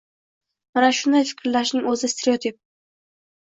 Mana shunday fikrlashning o`zi stereotip